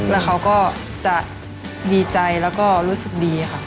และเขาก็จะดีใจและรู้สึกดีค่ะ